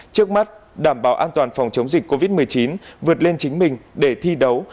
trước mắt đảm bảo an toàn phòng chống dịch covid một mươi chín vượt lên chính mình để thi đấu